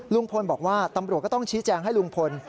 ลุงพลบอกว่าตำรวจก็ต้องชี้แจงให้ลุงพล